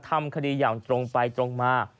ทำคดีอย่างตรงไปตรงมา